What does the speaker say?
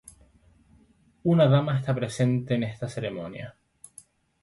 Un lama está presente en esta ceremonia.